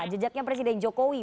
jejaknya presiden jokowi